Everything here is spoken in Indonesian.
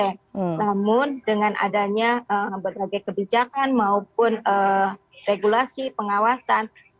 namun dengan adanya berbagai kebijakan maupun regulasi pengawasan